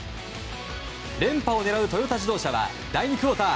連覇を狙うトヨタ自動車は第２クオーター。